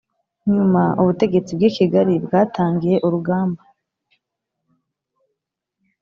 Nyuma ubutegetsi bw i Kigali bwatangiye urugamba